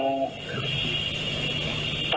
ก็อยากจะ